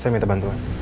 saya minta bantuan